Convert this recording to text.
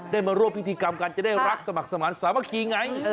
มาร่วมพิธีกรรมกันจะได้รักสมัครสมาธิสามัคคีไง